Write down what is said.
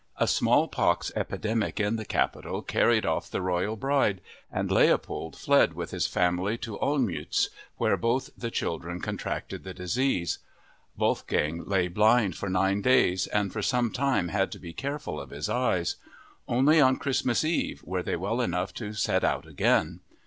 A smallpox epidemic in the capital carried off the royal bride, and Leopold fled with his family to Olmütz, where both the children contracted the disease. Wolfgang lay blind for nine days and for some time had to be careful of his eyes. Only on Christmas Eve were they well enough to set out again.